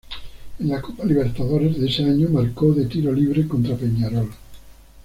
En la Copa Libertadores de ese año marcó de tiro libre contra Peñarol.